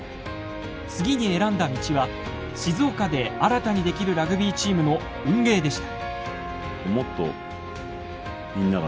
次に選んだ道は静岡で新たに出来るラグビーチームの運営でした。